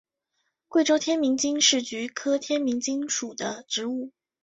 贵州天名精是菊科天名精属的植物。